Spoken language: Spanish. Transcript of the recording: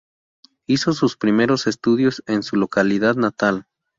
Hizo sus primeros estudios en su localidad natal.